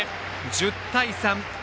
１０対３。